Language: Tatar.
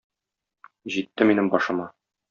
Җитте минем башыма.